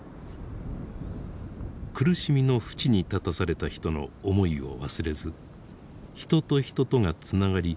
苦しみのふちに立たされた人の思いを忘れず人と人とがつながり